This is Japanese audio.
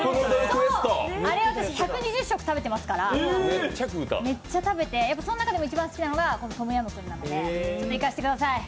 あれ、私、１２０食食べてますから、めっちゃ食べてその中でも一番好きなのがトムヤムクンなのでいかせてください。